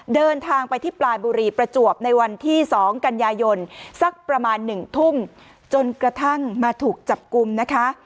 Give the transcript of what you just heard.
เดินทางไปที่ปลายบุรีประจวบในวันที่๒กันยายนสักประมาณ๑ทุ่มจนกระทั่งมาถูกจับกลุ่มนะคะ